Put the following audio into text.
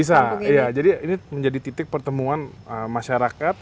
bisa iya jadi ini menjadi titik pertemuan masyarakat